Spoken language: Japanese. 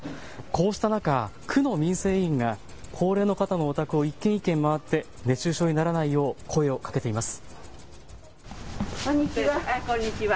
こうした中、区の民生委員が高齢の方のお宅を一軒一軒回って熱中症にならないよう声をかけています。